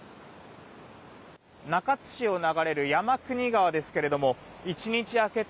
中津市を流れる山国川ですけれども１日明けた